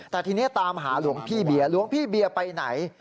แต่ทีนี้ตามหาหลวงพี่เบียร์หลวงพี่เบียร์ไปไหน